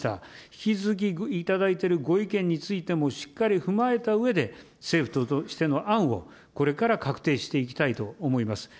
引き続き頂いているご意見についてもしっかり踏まえたうえで、政府としての案をこれから確定していきたいと思います。